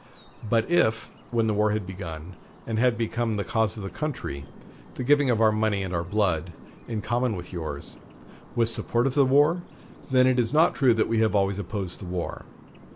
But if, when the war had begun, and had become the cause of the country, the giving of our money and our blood, in common with yours, was support of the war, then it is not true that we have always opposed the war.